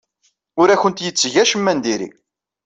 Ur awent-yetteg acemma n diri.